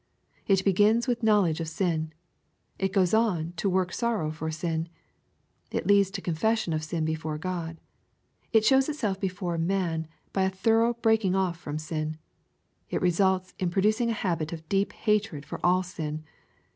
It begins with knowledge of sin. It goes on to work sorrow for sin. It leads to confession of sin before God. It shows itself before man by a thorough breaking off from sin. It reiBults in producing a habit of deep hatred for all sin.